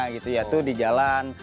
yaitu di jalan